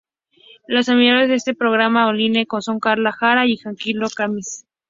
Los animadores de este programa online son Carla Jara y Francisco Kaminski.